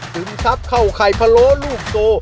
ปรึงทับเข้าไข่พะโลอลูกโต